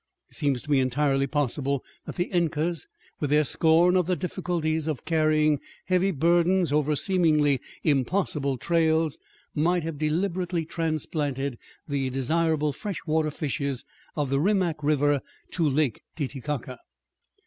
It seems to me entirely possible that the Incas, with their scorn of the difficulties of carrying heavy burdens over seemingly impossible trails, might have deliberately transplanted the desirable fresh water fishes of the Rimac River to Lake Titicaca.